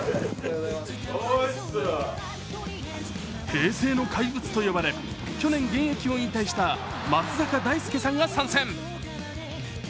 平成の怪物と呼ばれ、去年現役を引退した松坂大輔さんが参戦。